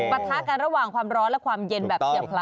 ปะทะกันระหว่างความร้อนและความเย็นแบบเฉียบพลัน